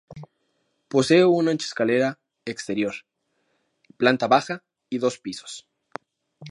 Posee una ancha escalera exterior, planta baja y dos pisos.